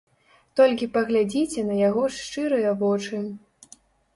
Толькі паглядзіце на яго шчырыя вочы.